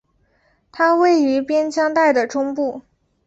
它位于边疆带的中部。